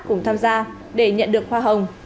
cùng tham gia để nhận được hoa hồng